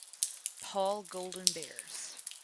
Paul Golden Bears.